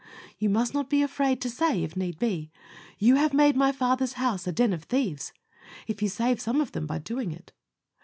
"You must not be afraid to say, if need be, "You have made my Father's house a den of thieves," if you save some of them by doing it.